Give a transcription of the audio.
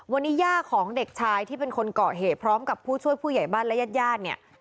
วันนี้ย่าของเด็กชายที่เป็นคนเกาะเหตุพร้อมกับผู้ช่วยผู้ใหญ่บ้านและญาติญาติเนี่ย